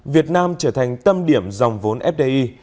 việt nam trở thành tâm điểm dòng vốn fdi